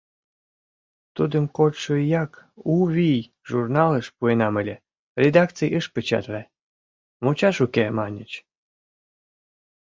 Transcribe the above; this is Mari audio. Тудым кодшо ияк «У вий» журналыш пуэнам ыле, редакций ыш печатле — «мучаш уке» маньыч.